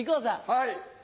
はい。